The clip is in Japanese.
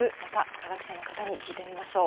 科学者の方に聞いてみましょう。